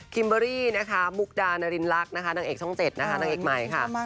คิมเบอรี่มุกดานารินลักษณ์ต่างเอกช่องเจ็ดต่างเอกใหม่ค่ะ